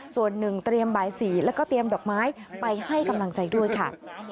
ส่วนหนึ่งเตรียมบ่าย๔แล้วก็เตรียมดอกไม้ไปให้กำลังใจด้วยค่ะ